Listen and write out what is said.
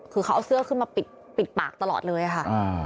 คือเขาเอาเสื้อขึ้นมาปิดปากตลอดเลยค่ะ